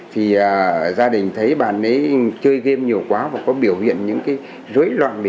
thì gia đình thấy bạn ấy chơi game nhiều quá và có biểu hiện những dối loạn